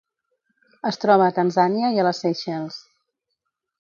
Es troba a Tanzània i a les Seychelles.